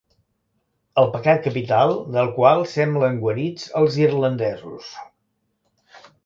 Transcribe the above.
El pecat capital del qual semblen guarits els irlandesos.